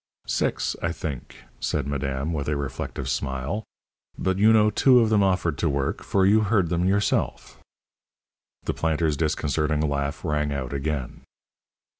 "Six, I think," said madame, with a reflective smile; "but you know two of them offered to work, for you heard them yourself." The planter's disconcerting laugh rang out again.